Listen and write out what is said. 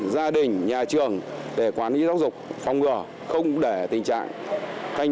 gia đình nhà trường để quản lý giáo dục phòng ngừa không để tình trạng canh